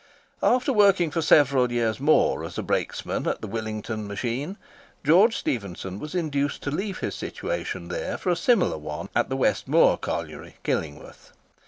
After working for several years more as a brakesman at the Willington machine, George Stephenson was induced to leave his situation there for a similar one at the West Moor Colliery, Killingworth.